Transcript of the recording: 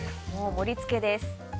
盛り付けです。